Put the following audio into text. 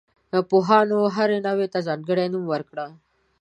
پوهانو هرې نوعې ته ځانګړی نوم ورکړ.